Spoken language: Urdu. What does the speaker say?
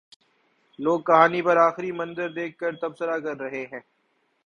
لوگ کہانی پر آخری منظر دیکھ کر تبصرہ کر رہے ہیں۔